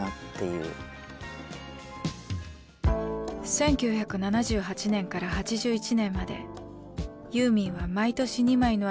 １９７８年から８１年までユーミンは毎年２枚のアルバムを発表。